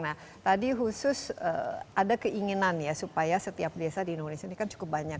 nah tadi khusus ada keinginan ya supaya setiap desa di indonesia ini kan cukup banyak